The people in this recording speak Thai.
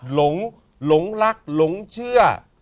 หลงรักหลงเชื่อ